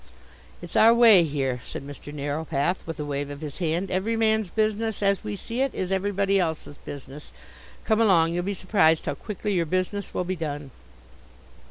"It's our way here," said Mr. Narrowpath with a wave of his hand. "Every man's business, as we see it, is everybody else's business. Come along, you'll be surprised how quickly your business will be done."